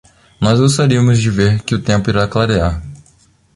Nós gostaríamos de ver que o tempo irá clarear.